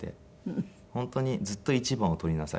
本当にずっと「１番を取りなさい」と。